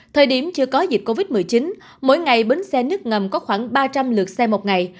thời điểm chưa có dịch covid một mươi chín mỗi ngày bến xe nước ngầm có khoảng ba trăm linh lượt xe một ngày